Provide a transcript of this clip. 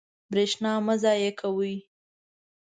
برېښنا مه ضایع کوئ.